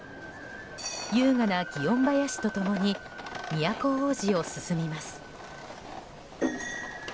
優雅な祗園ばやしと共に都大路を進みます。